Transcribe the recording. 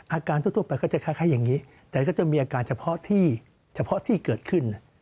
อาการทั่วไปก็จะคล้ายอย่างนี้แต่ก็จะมีอาการเฉพาะที่เกิดขึ้น